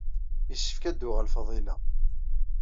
Yessefk ad d-tuɣal Faḍila.